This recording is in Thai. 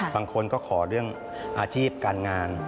บางคนก็ขอเรื่องอาชีพการงาน